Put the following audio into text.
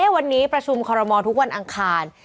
วันนี้ประชุมคอรมอลทุกวันอังคาร